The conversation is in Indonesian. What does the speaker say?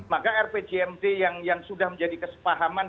maka rpjmd yang sudah menjadi kesepahaman